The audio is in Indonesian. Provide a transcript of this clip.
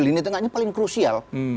lini tengahnya paling krusial